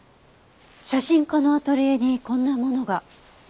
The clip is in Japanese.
写真家のアトリエにこんなものが？